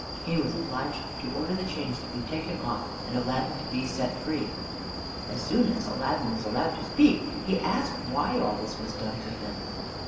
He was obliged to order the chains to be taken off, and Aladdin to be set free. As soon as Aladdin was allowed to speak he asked why all this was done to him.